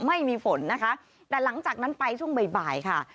ไม่มีฝนนะคะแต่หลังจากนั้นไปช่วงบ่ายค่ะ